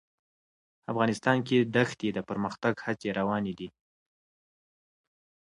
افغانستان کې د ښتې د پرمختګ هڅې روانې دي.